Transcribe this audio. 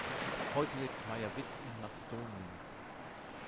Heute lebt Maier-Witt in Mazedonien.